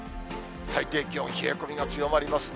最低気温、冷え込みが強まりますね。